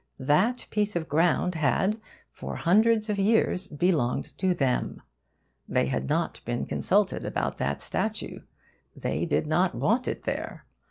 That piece of ground had for hundreds of years belonged to them. They had not been consulted about that statue. They did not want it there.